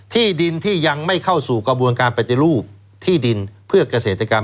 ที่ดินที่ยังไม่เข้าสู่กระบวนการปฏิรูปที่ดินเพื่อเกษตรกรรม